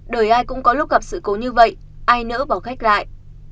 đời ai cũng có lúc gặp sự cố như vậy ai nỡ bỏ khách lại